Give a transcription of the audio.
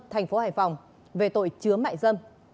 thành phố hải phòng về tội chứa mại dâm